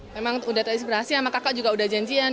memang sudah terinspirasi sama kakak juga sudah janjian